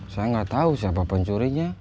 saya gak tau siapa pencurinya